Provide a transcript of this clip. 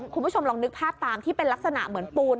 คุณผู้ชมลองนึกภาพตามที่เป็นลักษณะเหมือนปูน